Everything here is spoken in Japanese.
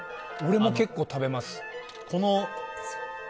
俺も結構食べます。